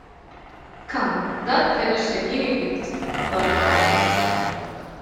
‘Come, that finished the guinea-pigs!’ thought Alice.